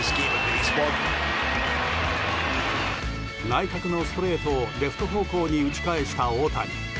内角のストレートをレフト方向に打ち返した大谷。